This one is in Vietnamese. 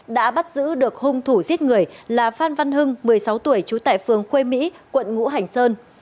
đã bắt giữ được hung thủ giết người là phan văn hưng một mươi sáu tuổi trú tại phường khuê mỹ quận ngũ hành sơn